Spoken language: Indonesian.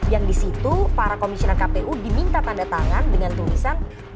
yang di situ para komisioner kpu diminta tanda tangan dengan tulisan